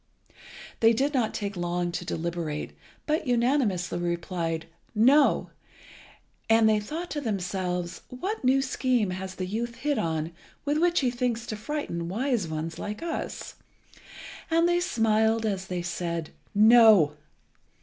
They did not take long to deliberate, but unanimously replied "No"; and they thought to themselves, "What new scheme has the youth hit on with which he thinks to frighten wise ones like us?" and they smiled as they said "No."